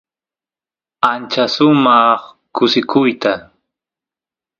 ancha sumaq kusikuyta